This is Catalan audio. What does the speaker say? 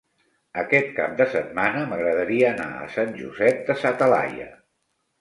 Aquest cap de setmana m'agradaria anar a Sant Josep de sa Talaia.